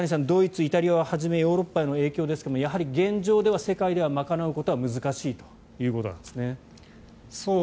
ドイツ、イタリアをはじめヨーロッパへの影響ですが現状では世界では賄うことは難しいということなんですね。